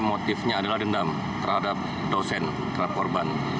motifnya adalah dendam terhadap dosen terhadap korban